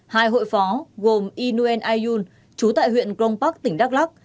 hai hội phó gồm inuen ayun trú tại huyện grong park tỉnh đắk lắc